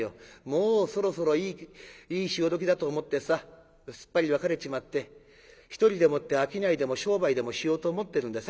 もうそろそろいい潮時だと思ってさすっぱり別れちまって一人でもって商いでも商売でもしようと思ってるんだ。